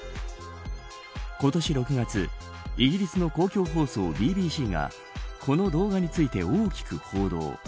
今年６月、イギリスの公共放送ＢＢＣがこの動画について大きく報道。